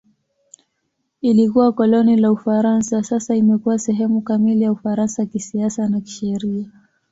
Ilikuwa koloni la Ufaransa; sasa imekuwa sehemu kamili ya Ufaransa kisiasa na kisheria.